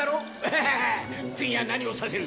ハハハハ次は何をさせる？